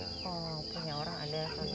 oh punya orang ada